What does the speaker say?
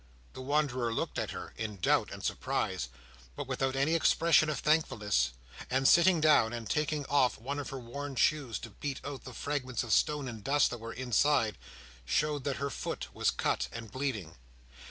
The wanderer looked at her, in doubt and surprise, but without any expression of thankfulness; and sitting down, and taking off one of her worn shoes to beat out the fragments of stone and dust that were inside, showed that her foot was cut and bleeding.